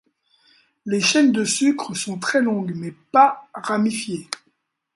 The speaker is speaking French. Les chaînes de sucres sont très longues mais pas ramifiées.